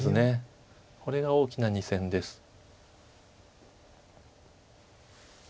これが大きな２線です。